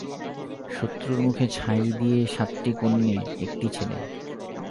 শত্রুর মুখে ছাই দিয়ে সাতটি কন্যে, একটি ছেলে।